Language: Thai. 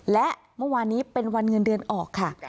และเมื่อวานนี้เป็นวันเงินเดือนออกค่ะ